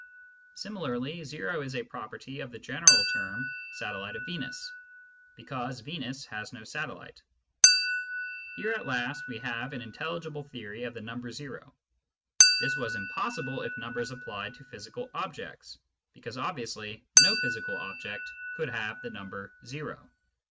Similarly, o is a property of the general term "satellite of Venus," because Venus has no satellite. Here at last we have an intelligible theory of the number o. This was impossible if numbers applied to physical objects, because obviously no physical object could have the number o.